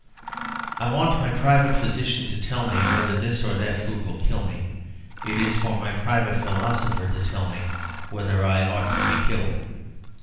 I want my private physician to tell me whether this or that food will kill me. It is for my private philosopher to tell me whether I ought to be killed.